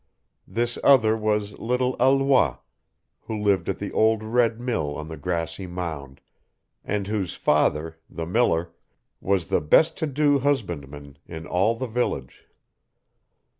This other was little Alois, who lived at the old red mill on the grassy mound, and whose father, the miller, was the best to do husbandman in all the village.